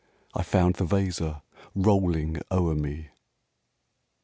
' I found the Weser rolling o'er me."